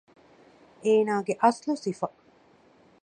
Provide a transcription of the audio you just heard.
އޭނާގެ އަސްލު ސިފަ